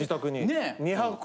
ねえ。